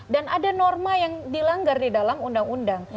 dan ada norma yang dilanggar di dalam undang undang